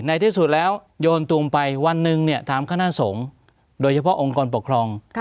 ในที่สุดแล้วโยนตุงไปวันหนึ่งเนี่ยถามคณะสงฆ์โดยเฉพาะองค์กรปกครอง